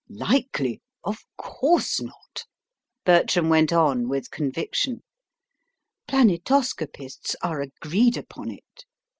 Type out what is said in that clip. "Likely? Of course not," Bertram went on with conviction. "Planetoscopists are agreed upon it.